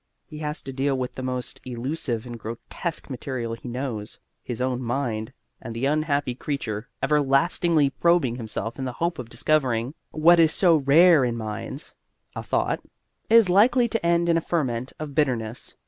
He has to deal with the most elusive and grotesque material he knows his own mind; and the unhappy creature, everlastingly probing himself in the hope of discovering what is so rare in minds (a thought), is likely to end in a ferment of bitterness.